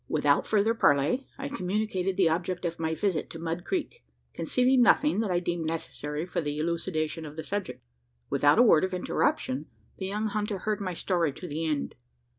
Without further parley, I communicated the object of my visit to Mud Creek concealing nothing that I deemed necessary for the elucidation of the subject. Without a word of interruption, the young hunter heard my story to the end.